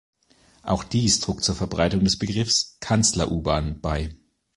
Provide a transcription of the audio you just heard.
Auch dies trug zur Verbreitung des Begriffs „Kanzler-U-Bahn“ bei.